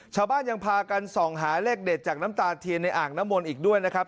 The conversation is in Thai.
ชาวบ้านยังพากันส่องหาเลขเด็ดจากน้ำตาเทียนในอ่างน้ำมนต์อีกด้วยนะครับ